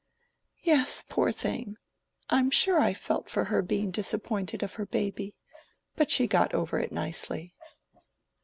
"Yes, poor thing. I'm sure I felt for her being disappointed of her baby; but she got over it nicely."